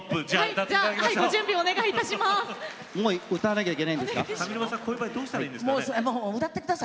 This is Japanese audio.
もう歌わなきゃいけないんですか。